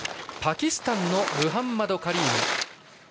パキスタンのムハンマド・カリーム。